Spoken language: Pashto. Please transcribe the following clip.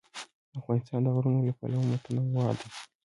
افغانستان د غرونه له پلوه متنوع دی.